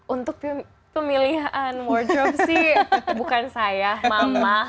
untuk pemilihan workshop sih bukan saya mama